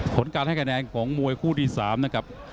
ผลการให้คะแนนของมวยคู่ที่๓นะครับ